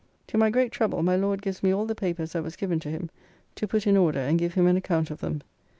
To my great trouble, my Lord gives me all the papers that was given to him, to put in order and give him an account of them.